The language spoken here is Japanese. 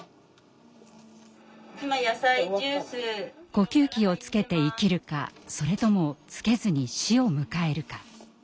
呼吸器をつけて生きるかそれともつけずに死を迎えるか。